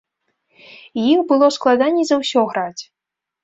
І іх было складаней за ўсё граць.